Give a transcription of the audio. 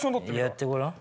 やってごらん。